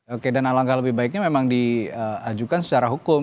oke dan alangkah lebih baiknya memang diajukan secara hukum